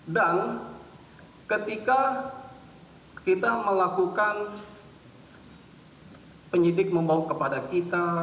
dan ketika kita melakukan penyidik membawa kepada kita